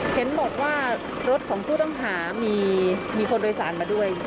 เห็นบอกว่ารถของผู้ต้องหามีคนโดยสารมาด้วย